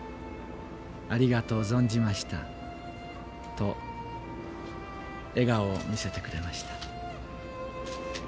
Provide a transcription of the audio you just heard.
ありがとう存じましたと、笑顔を見せてくれました。